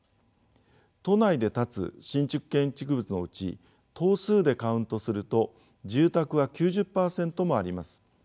都内で建つ新築建築物のうち棟数でカウントすると住宅は９０％もあります。